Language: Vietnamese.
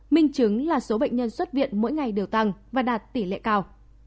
minh chứng là số bệnh nhân xuất viện mỗi ngày đều tăng và đạt tỷ lệ cao